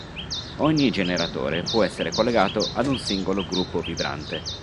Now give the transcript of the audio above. Ogni generatore può essere collegato ad un singolo gruppo vibrante.